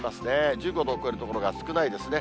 １５度を超える所が少ないですね。